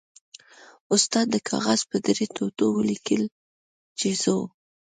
استاد د کاغذ په درې ټوټو ولیکل چې ځو.